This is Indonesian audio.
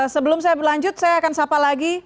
sebelum saya berlanjut saya akan sapa lagi